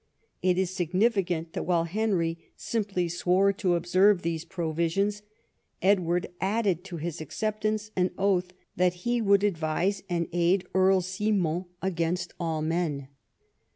It is significant that while Henry simply swore to observe these Provisions, Edward added to his acceptance an oath that he would advise and aid Earl Simon against all men.